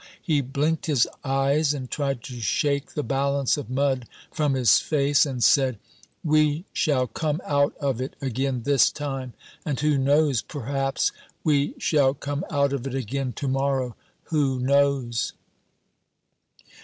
He blinked his eyes and tried to shake the balance of mud from his face, and said, "We shall come out of it again this time. And who knows, p'raps we shall come out of it again to morrow! Who knows?"